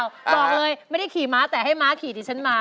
บอกเลยไม่ได้ขี่ม้าแต่ให้ม้าขี่ดิฉันมา